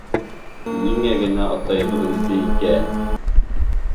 Ниңә генә атайыбыҙ үлде икән?